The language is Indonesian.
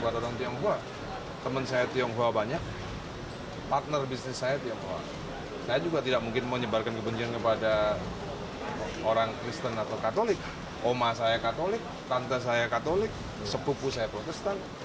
tante saya katolik sepupu saya protestan